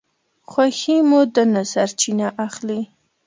خوښي مو ده نه سرچینه اخلي